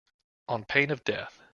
On pain of death.